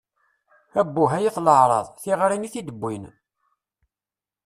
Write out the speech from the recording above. Abbuh, ay at leεṛaḍ! Tiɣiṛin i tid-wwin!